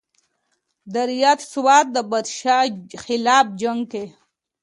درياست سوات د بادشاه خلاف جنګ کښې